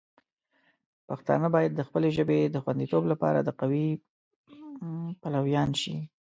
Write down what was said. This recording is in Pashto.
پښتانه باید د خپلې ژبې د خوندیتوب لپاره د قوی پلویان شي.